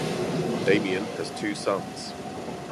Damien has two sons.